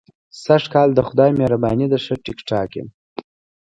سږ کال د خدای مهرباني ده، ښه ټیک ټاک یم.